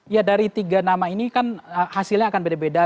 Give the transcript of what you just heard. ya dari tiga nama ini kan hasilnya akan beda beda